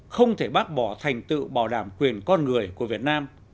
không thể bác bỏ thành tựu bảo đảm quyền con người của việt nam